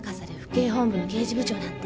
警本部の刑事部長なんて。